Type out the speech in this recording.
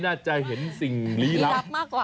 น่าจะเห็นสิ่งลี้รัก